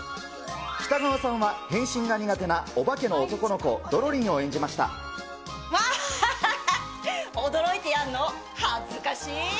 北川さんは変身が苦手なオバケの男の子、ドロリンを演じましはははははは、驚いてやんの、恥ずかしい。